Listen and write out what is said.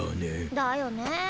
だよねえ。